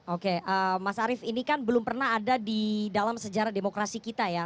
oke mas arief ini kan belum pernah ada di dalam sejarah demokrasi kita ya